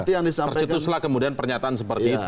tercetuslah kemudian pernyataan seperti itu